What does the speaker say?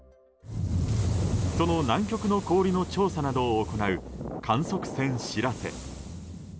その南極の氷の調査などを行う観測船「しらせ」。